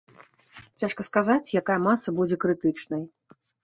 Цяжка сказаць, якая маса будзе крытычнай.